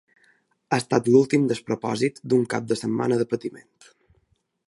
Ha estat l’últim despropòsit d’un cap de setmana de patiment.